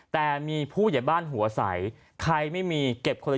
แต่มีผู้ใหญ่บ้านหัวใสใครไม่มีเก็บคนละ